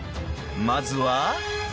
［まずは］